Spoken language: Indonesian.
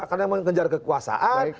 karena mengejar kekuasaan